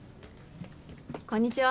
こんにちは。